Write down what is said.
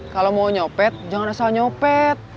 kalau mau nyopet jangan asal nyopet